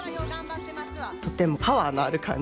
とてもパワーのある感じ。